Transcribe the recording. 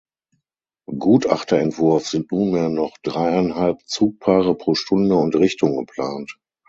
Gutachterentwurf sind nunmehr noch dreieinhalb Zugpaare pro Stunde und Richtung geplant.